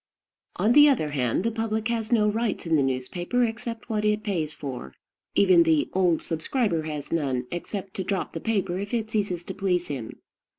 On the other hand, the public has no rights in the newspaper except what it pays for; even the "old subscriber" has none, except to drop the paper if it ceases to please him.